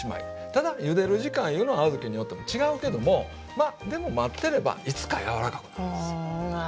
ただゆでる時間いうのは小豆によっても違うけどもでも待ってればいつか柔らかくなるんですよね。